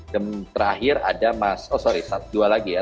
terakhir ada mas oh sorry dua lagi ya